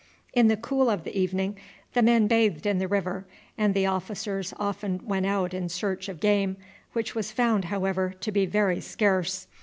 In the cool of the evening the men bathed in the river, and the officers often went out in search of game, which was found, however, to be very scarce.